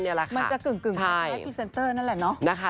มันจะกึ่งเป็นแพ้พรีเซนเตอร์นั่นแหละเนอะนะคะ